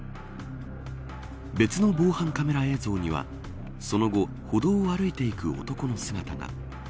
別の防犯カメラ映像にはその後、歩道を歩いていく男の姿が。